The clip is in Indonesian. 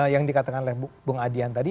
yang dikatakan oleh bung adian tadi